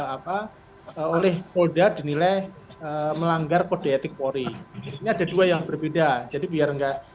apa oleh polda dinilai melanggar kode etik polri ini ada dua yang berbeda jadi biar enggak